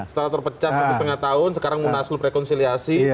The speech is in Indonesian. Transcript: setelah terpecah satu setengah tahun sekarang munaslup rekonsiliasi